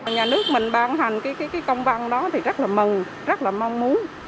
nhà nước mình ban hành cái công văn đó thì rất là mừng rất là mong muốn